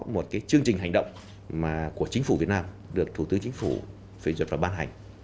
một chương trình hành động của chính phủ việt nam được thủ tướng chính phủ phê chuẩn và ban hành